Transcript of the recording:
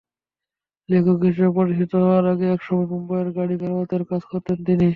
লেখক হিসেবে প্রতিষ্ঠিত হওয়ার আগে, একসময় মুম্বাইয়ে গাড়ি মেরামতের কাজ করতেন তিনি।